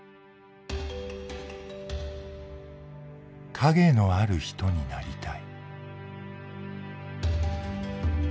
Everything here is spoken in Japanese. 「陰のある人になりたい」。